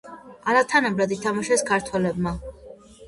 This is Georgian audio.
არათანაბრად ითმაშეს ქართველებმა.